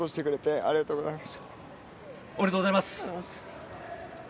ありがとうございます。